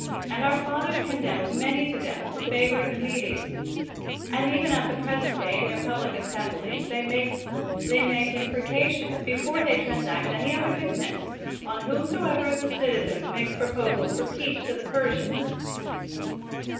.Vnd our fathers condemned ]nany to death for favoring the ]\redes; and even at the present day, in their public assemblies, they make imprecations, before they transact any other business, on whomsoever of the citizens makes pro])osals for peace to the Persians.